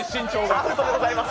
アウトでございます。